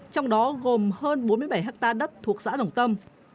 trong đó gồm hơn bốn mươi bảy hectare đất thuộc xã đồng tâm